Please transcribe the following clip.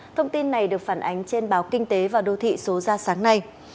thông tin này được phản ánh trên báo kinh tế và đô thị số ra sáng nay